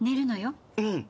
うん。